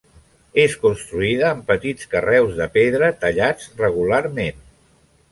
És construïda amb petits carreus de pedra, tallats regularment.